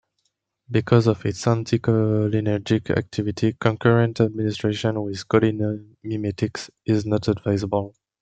Because of its anticholinergic activity, concurrent administration with cholinomimetics is not advisable.